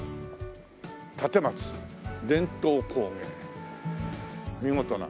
伝統工芸見事な。